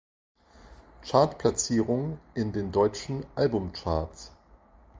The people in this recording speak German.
Chartplatzierung in den deutschen Albumcharts.